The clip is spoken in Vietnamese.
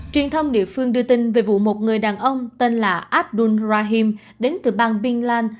truyền thông địa phương đưa tin về vụ một người đàn ông tên là abdul rahim đến từ bang bin lan